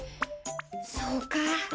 そうか！